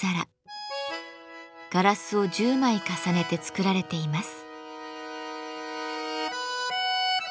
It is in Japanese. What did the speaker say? ガラスを１０枚重ねて作られています。